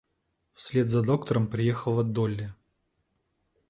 Вслед за доктором приехала Долли.